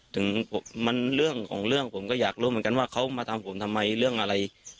ถึงมันเรื่องของเรื่องผมก็อยากรู้เหมือนกันว่าเขามาทำผมทำไมเรื่องอะไร